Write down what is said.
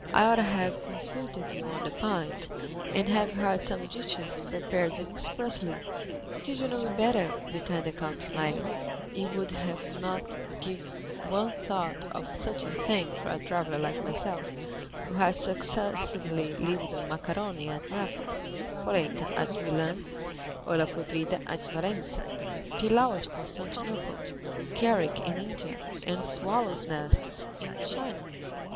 I ought to have consulted you on the point, and have had some dishes prepared expressly." "Did you know me better," returned the count, smiling, "you would not give one thought of such a thing for a traveller like myself, who has successively lived on macaroni at Naples, polenta at Milan, olla podrida at Valencia, pilau at Constantinople, curry in India, and swallows' nests in China.